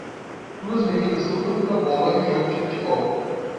Duas meninas lutam pela bola em um jogo de futebol.